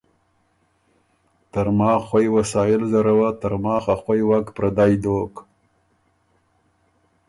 ترماخ خوئ وسائل زره وه ترماخ ا خوئ وک پردئ دوک۔